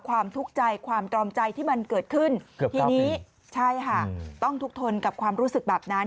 ความทุกข์ใจความตรอมใจที่มันเกิดขึ้นทีนี้ใช่ค่ะต้องทุกทนกับความรู้สึกแบบนั้น